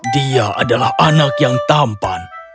dia adalah anak yang tampan